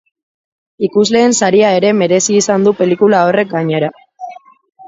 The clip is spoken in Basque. Ikusleen saria ere merezi izan du pelikula horrek, gainera.